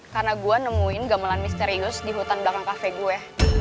karena gue nemuin gamelan misterius di hutan belakang cafe gue